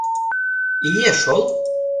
— Ие шол!